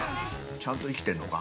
ちゃんと生きてんのか？